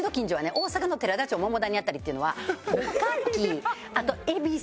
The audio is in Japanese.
大阪の寺田町桃谷辺りっていうのは。